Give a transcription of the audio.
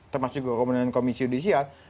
termasuk juga komisi judisial